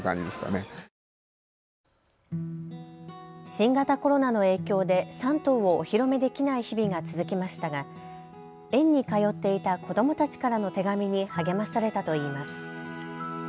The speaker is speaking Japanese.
新型コロナの影響で３頭をお披露目できない日々が続きましたが園に通っていた子どもたちからの手紙に励まされたといいます。